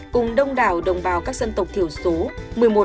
cùng đông đảo đồng bào các dân tộc thiểu số